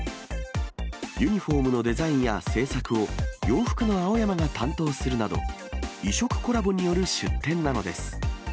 ユニホームのデザインや製作を、洋服の青山が担当するなど、異色コラボによる出店なのです。